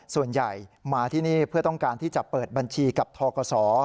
ส่วนใหญ่มาที่นี่เพื่อต้องการที่จะเปิดบัญชีกับทกศ